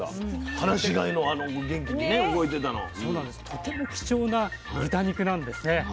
とても貴重な豚肉なんですね。